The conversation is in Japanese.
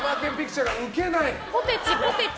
ポテチ、ポテチ。